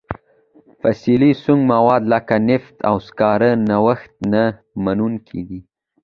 فسیلي سونګ مواد لکه نفت او سکاره نوښت نه منونکي دي.